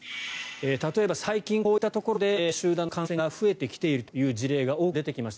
例えば最近こういったところで集団の感染が増えてきているという事例が多く出てきました。